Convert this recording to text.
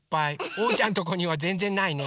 おうちゃんとこにはぜんぜんないね。